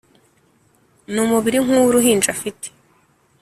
numubiri nkuwu ruhinja afite